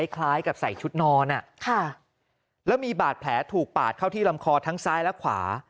คล้ายกับใส่ชุดนอนแล้วมีบาดแผลถูกปาดเข้าที่ลำคอทั้งซ้ายและขวา